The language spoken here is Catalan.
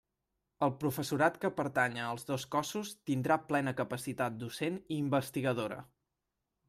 El professorat que pertanya als dos cossos tindrà plena capacitat docent i investigadora.